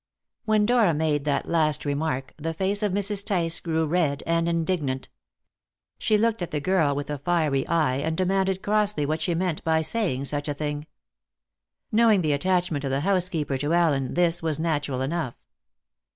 When Dora made that last remark, the face of Mrs. Tice grew red and indignant. She looked at the girl with a fiery eye, and demanded crossly what she meant by saying such a thing. Knowing the attachment of the housekeeper to Allen, this was natural enough.